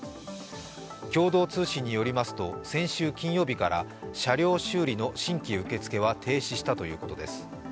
共同通信によりますと先週金曜日から車両修理の新規受け付けは停止したということです。